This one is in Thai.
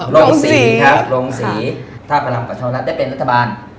โรงสีครับโรงสีภารับกับชะวรัฐได้เป็นรัฐบาล